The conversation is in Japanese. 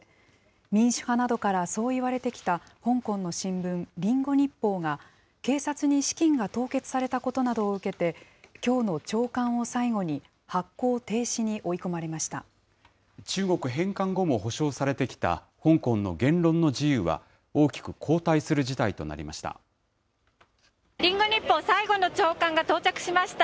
民主派などからそう言われてきた、香港の新聞、リンゴ日報が、警察に資金が凍結されたことなどを受けて、きょうの朝刊を最後に発行中国返還後も保障されてきた香港の言論の自由は、大きく後退する事態となりました。